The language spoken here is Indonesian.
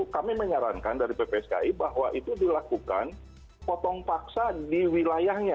kami menyarankan dari ppski bahwa itu dilakukan potong paksa di wilayahnya